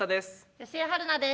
吉江晴菜です。